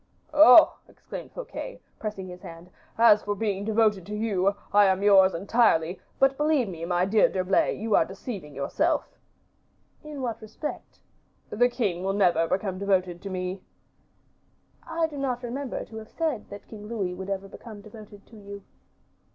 "Oh!" exclaimed Fouquet, pressing his hand, "as for being devoted to you, I am yours, entirely; but believe me, my dear D'Herblay, you are deceiving yourself." "In what respect?" "The king will never become devoted to me." "I do not remember to have said that King Louis would ever become devoted to you."